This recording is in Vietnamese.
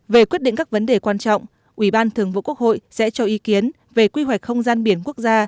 về quyết định các vấn đề quan trọng ủy ban thường vụ quốc hội sẽ cho ý kiến về quy hoạch không gian biển quốc gia